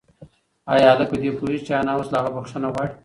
ایا هلک په دې پوهېږي چې انا اوس له هغه بښنه غواړي؟